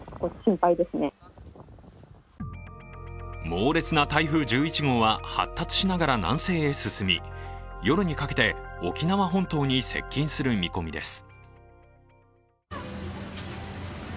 猛烈な台風１１号は発達しながら進み、夜にかけて沖縄本島に接近する見込みです。